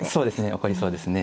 起こりそうですね。